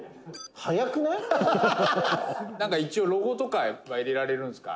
土屋：「一応、ロゴとかは入れられるんですか？」